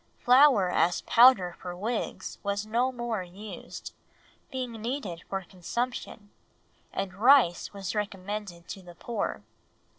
Flour as powder for wigs was no more used, being needed for consumption, and rice was recommended to the poor.